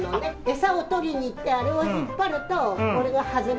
餌を取りに行ってあれを引っ張ると、これが外れて。